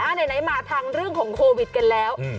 ไหนมาทางเรื่องของโควิดกันแล้ว